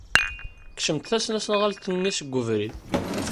Kksemt tasnasɣalt-nni seg ubrid.